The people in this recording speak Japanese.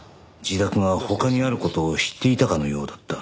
自宅が他にある事を知っていたかのようだった。